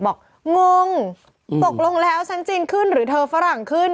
งงตกลงแล้วฉันจีนขึ้นหรือเธอฝรั่งขึ้น